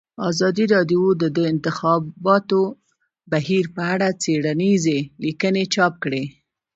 ازادي راډیو د د انتخاباتو بهیر په اړه څېړنیزې لیکنې چاپ کړي.